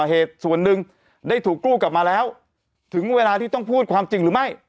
เหตุส่วนหนึ่งได้ถูกกู้กลับมาแล้วถึงเวลาที่ต้องพูดความจริงหรือไม่